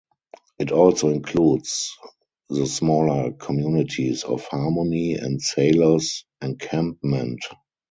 It also includes the smaller communities of Harmony and Sailors Encampment.